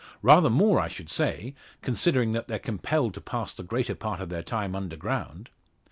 Rather more I should say, considering that they're compelled to pass the greater part of their time underground.